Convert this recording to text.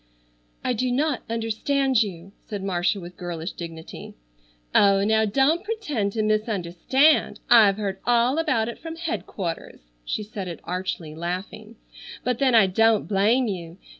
"I do not understand you," said Marcia with girlish dignity. "Oh, now don't pretend to misunderstand. I've heard all about it from headquarters," she said it archly, laughing. "But then I don't blame you.